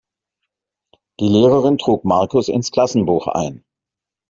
Die Lehrerin trug Markus ins Klassenbuch ein.